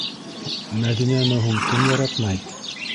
Мәҙинәне һуң кем яратмай?!